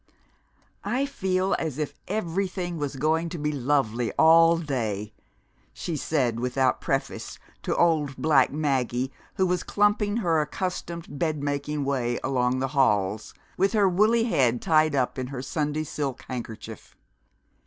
"I feel as if everything was going to be lovely all day!" she said without preface to old black Maggie, who was clumping her accustomed bed making way along the halls, with her woolly head tied up in her Sunday silk handkerchief.